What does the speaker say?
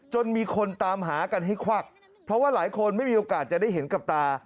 จนมีคนตามหากันให้ควักเพราะว่าหลายคนไม่มีโอกาสจะได้เห็นกับตา